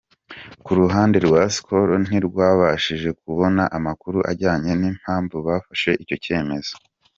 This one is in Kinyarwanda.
Ku ruhande rwa Skol ntitwabashije kubona amakuru ajyanye n’impamvu bafashe icyo cyemezo.